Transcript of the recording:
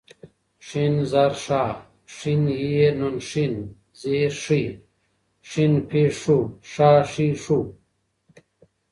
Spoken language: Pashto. ښ زر ښا، ښېن زير ښې ، ښين پيښ ښو ، ښا ښې ښو